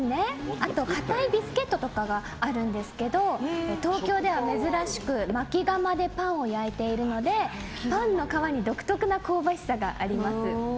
あと、硬いビスケットとかがあるんですけど東京では珍しくまき窯でパンを焼いているのでパンの皮に独特な香ばしさがあります。